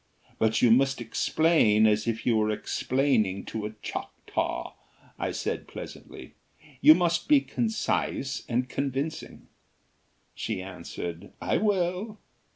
"But you must explain as if you were explaining to a Choctaw," I said, pleasantly, "you must be concise and convincing." She answered: "I will."